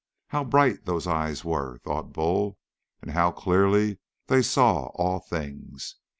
How bright those eyes were, thought Bull, and how clearly they saw all things!